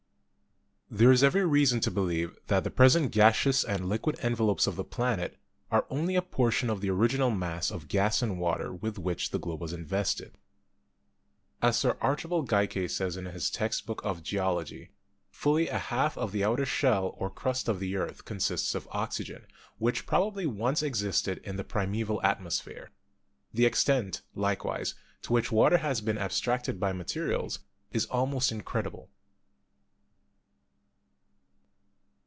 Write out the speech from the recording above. There is every reason to believe that the present gaseous and liquid envelopes of the planet are only a portion of the original mass of gas and water with which the globe was invested. As Sir Archibald Geikie says in his 'Text Book of Geology,' "Fully a half of the outer shell or crust of the earth consists of oxygen, which probably once existed in the primeval atmosphere. The extent, likewise, to which water has been abstracted by minerals is almost incredible.